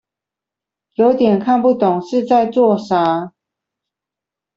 有點看不懂是在做啥